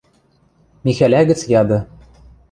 Михӓлӓ гӹц яды: